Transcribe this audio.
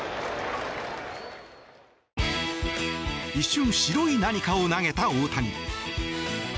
一瞬白い何かを投げた大谷。